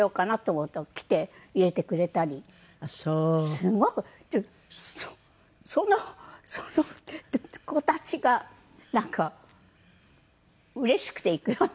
すごくその子たちがなんかうれしくて行くような。